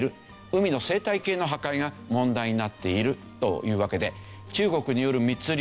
海の生態系の破壊が問題になっているというわけで。